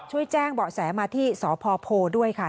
ช่วยแจ้งเบาะแสมาที่สพโพด้วยค่ะ